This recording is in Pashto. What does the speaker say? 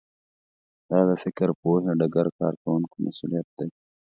دا د فکر پوهې ډګر کارکوونکو مسوولیت دی